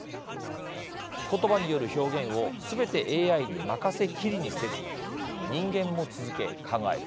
言葉による表現をすべてＡＩに任せきりにせず人間も続け考える。